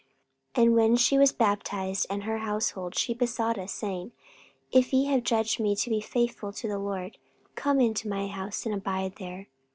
44:016:015 And when she was baptized, and her household, she besought us, saying, If ye have judged me to be faithful to the Lord, come into my house, and abide there.